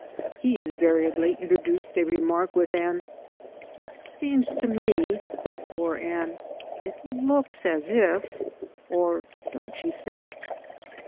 He invariably introduced a remark with an "It seems to me," or an "It looks as if," or a "DonH you thmk?"